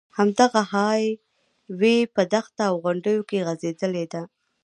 همدغه های وې په دښته او غونډیو کې غځېدلې ده.